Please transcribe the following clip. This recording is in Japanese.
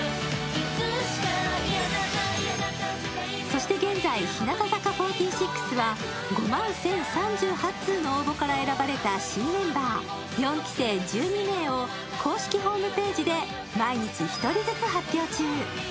そして現在、日向坂４６は５万１０３８通の応募から選ばれた新メンバー４期生１２名を公式ホームページで毎日１人ずつ発表中。